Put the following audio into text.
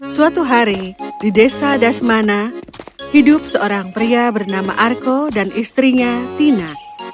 suatu hari di desa dasmana hidup seorang pria bernama arko dan istrinya tina